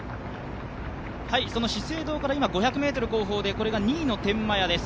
資生堂から５００ｍ後方で、これが２位の天満屋です。